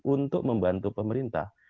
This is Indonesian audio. untuk membantu pemerintah